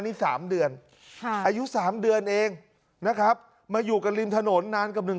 นี่๓เดือนอายุ๓เดือนเองนะครับมาอยู่กันริมถนนนานกับหนึ่ง